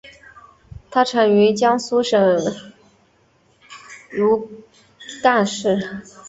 它产于江苏省如皋市。